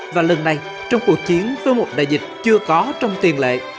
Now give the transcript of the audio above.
và lần này trong cuộc chiến với một đại dịch chưa có trong tiền lệ